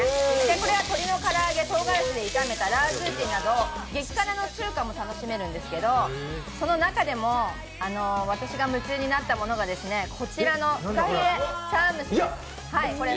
これは鶏の唐揚げ、とうがらしで炒めたラーズーチーなど激辛の中華も楽しめるんですけれどもその中でも私が夢中になったものはこちらのフカヒレ茶碗蒸しです。